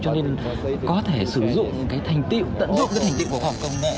cho nên có thể sử dụng cái thành tựu tận dụng cái thành tựu của học công nghệ